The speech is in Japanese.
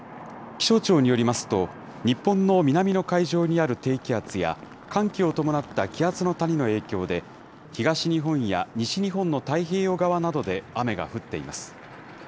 気象庁によりますと、日本の南の海上にある低気圧や、寒気を伴った気圧の谷の影響で、東日本や西日本の太平洋側などで雨が降っています。